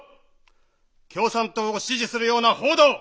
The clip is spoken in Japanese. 共産党を支持するような報道！